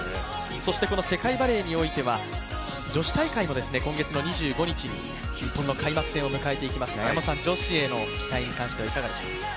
そして世界バレーにおいては、女子大会も今月の２５日日本の開幕戦を迎えていきますが、女子への期待はどうでしょうか。